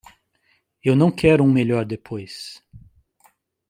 Eu não quero um melhor depois.